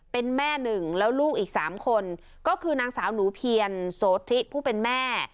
เป็นแม่หนึ่งแล้วลูกอีก๓คนก็คือนางสาวหนูเพียรโสธิผู้เป็นแม่